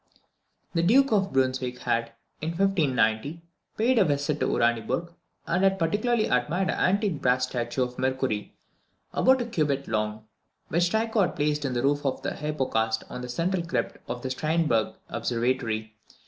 The Duke of Brunswick had, in 1590, paid a visit to Uraniburg, and had particularly admired an antique brass statue of Mercury, about a cubit long, which Tycho had placed in the roof of the hypocaust or central crypt of the Stiern berg observatory.